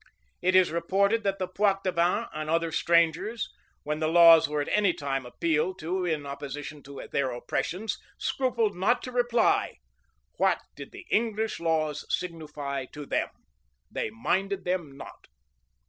It is reported that the Poictevins and other strangers, when the laws were at any time appealed to in opposition to their oppressions, scrupled not to reply, "What did the English laws signify to them? They minded them not."